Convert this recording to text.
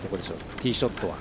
ティーショットは。